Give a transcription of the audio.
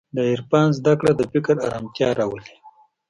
د عرفان زدهکړه د فکر ارامتیا راولي.